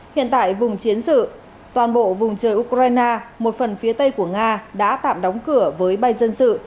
hiện tại vùng chiến sự toàn bộ vùng trời ukraine một phần phía tây của nga đã tạm đóng cửa với bay dân sự